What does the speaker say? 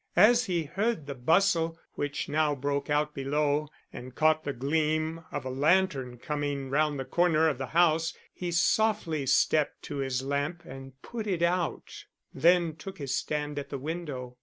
As he heard the bustle which now broke out below, and caught the gleam of a lantern coming round the corner of the house, he softly stepped to his lamp and put it out, then took his stand at the window.